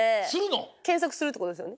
「けんさくする」ってことですよね？